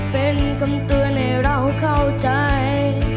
เป็นคนเตือนให้เราเข้าใจ